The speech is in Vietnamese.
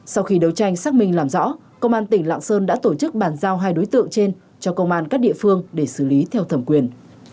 sau khi đấu tranh xác minh làm rõ công an tỉnh lạng sơn đã tổ chức bàn giao hai đối tượng trên cho công an các địa phương để xử lý theo thẩm quyền